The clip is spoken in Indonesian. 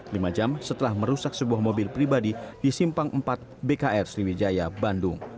lima jam setelah merusak sebuah mobil pribadi di simpang empat bkr sriwijaya bandung